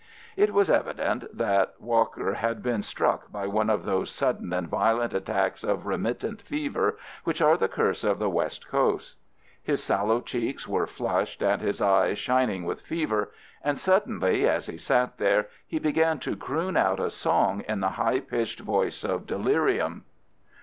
It was evident that Walker had been struck by one of those sudden and violent attacks of remittent fever which are the curse of the West Coast. His sallow cheeks were flushed and his eyes shining with fever, and suddenly as he sat there he began to croon out a song in the high pitched voice of delirium.